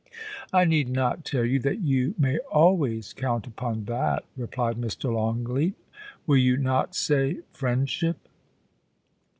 * I need not tell you that you may always count upon that,' replied Mr. Longleat *Will you not say — friend ship?'